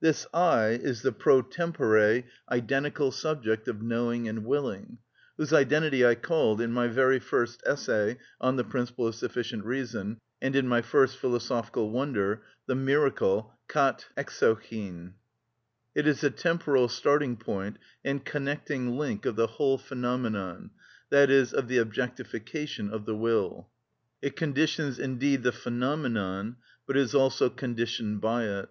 This I is the pro tempore identical subject of knowing and willing, whose identity I called in my very first essay (on the principle of sufficient reason), and in my first philosophical wonder, the miracle κατ εξοχην. It is the temporal starting point and connecting link of the whole phenomenon, i.e., of the objectification of the will: it conditions indeed the phenomenon, but is also conditioned by it.